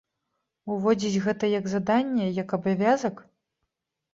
Уводзіць гэта як заданне, як абавязак?